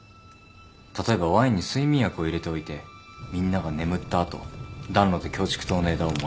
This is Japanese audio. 例えばワインに睡眠薬を入れておいてみんなが眠った後暖炉でキョウチクトウの枝を燃やす。